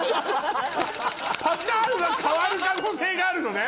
パターンは変わる可能性があるのね？